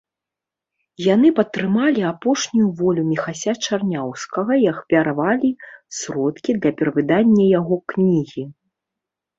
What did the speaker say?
Яны падтрымалі апошнюю волю Міхася Чарняўскага і ахвяравалі сродкі для перавыдання яго кнігі.